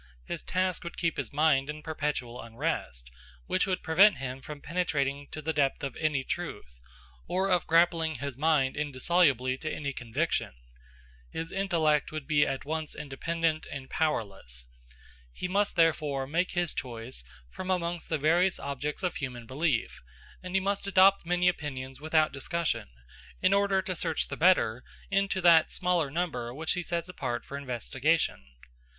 His task would keep his mind in perpetual unrest, which would prevent him from penetrating to the depth of any truth, or of grappling his mind indissolubly to any conviction. His intellect would be at once independent and powerless. He must therefore make his choice from amongst the various objects of human belief, and he must adopt many opinions without discussion, in order to search the better into that smaller number which he sets apart for investigation.